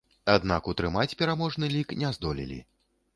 Аднак утрымаць пераможны лік не здолелі.